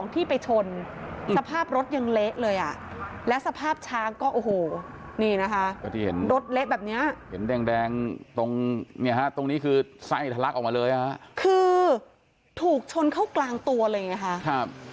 ที่ไปชนสภาพรถยังเละเลยอ่ะและสภาพช้างก็โน้ทเลยแบบเนี้ยเลยคือถูกชนเข้ากลางตัวเลยนะคะ